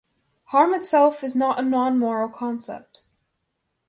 Harm itself is not a non-moral concept.